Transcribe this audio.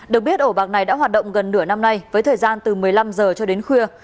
được biết ổ bạc này đã hoạt động gần nửa năm nay với thời gian từ một mươi năm h cho đến khuya